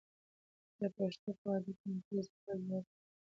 د پښتنو په واده کې نکریزې کول دود دی.